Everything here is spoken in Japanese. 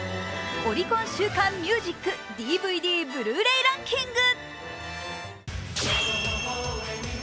オリコン週間ミュージックＤＶＤ・Ｂｌｕ−ｒａｙランキング。